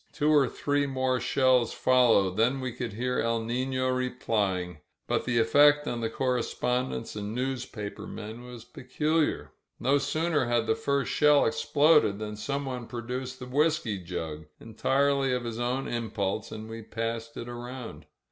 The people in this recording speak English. Two or three more shells followed, then we could hear ^^El Nifio" replying. But the effect on the correspondents and newspaper men was peculiar. No sooner had the first shell ex ploded than someone produced the whisky jug, entirely of his own impulse, and we passed it around.